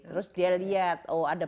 terus dia lihat oh ada